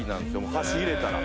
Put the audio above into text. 箸入れたら。